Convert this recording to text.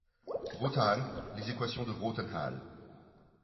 Roothaan les équations de Roothaan-Hall.